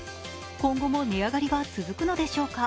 今後も値上がりが続くのでしょうか。